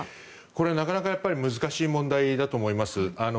これはなかなか難しい問題だと思います。